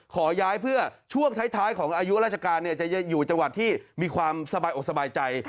ขอย้ายเพื่อช่วงท้ายของอายุราชการจะอยู่จังหวัดที่มีความสบายอกสบายใจ